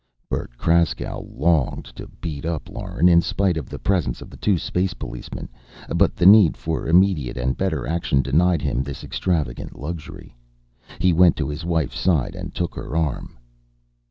Bert Kraskow longed to beat up Lauren in spite of the presence of the two space policemen. But the need for immediate and better action denied him this extravagant luxury. He went to his wife's side and took her arm.